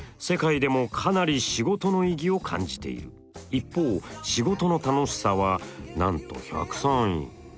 一方仕事の楽しさはなんと１０３位。